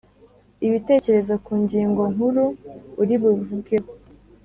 ibitekerezo ku ngingo nkuru uri buvugeho.